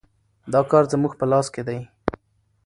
دا کار زموږ په لاس کې دی.